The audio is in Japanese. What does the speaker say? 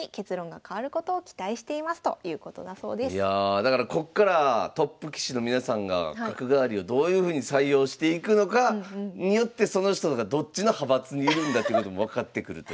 いやだからこっからトップ棋士の皆さんが角換わりをどういうふうに採用していくのかによってその人がどっちの派閥にいるんだってことも分かってくるということで。